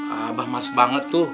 abah marah banget tuh